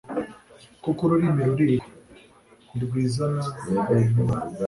kuko ururimi rurigwa, ntirwizana babimenye